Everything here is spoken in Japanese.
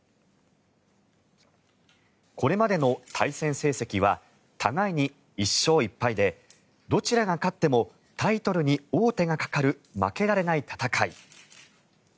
これまでの対戦成績は互いに１勝１敗でどちらが勝ってもタイトルに王手がかかる負けられない戦い。